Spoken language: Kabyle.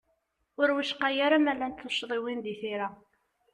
Ur wicqa ara ma llant tuccḍiwin di tira.